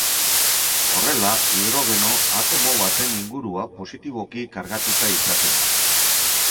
Horrela, hidrogeno-atomo baten ingurua positiboki kargatuta izaten da.